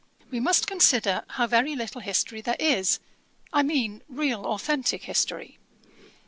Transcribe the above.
'We must consider how very little history there is; I mean real authentick history.